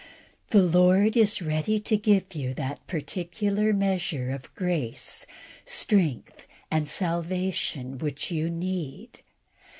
The Lord is ready to give you that particular measure of grace, strength, and salvation which you need.